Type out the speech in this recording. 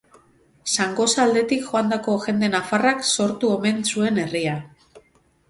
Zangoza aldetik joandako jende nafarrak sortu omen zuen herria.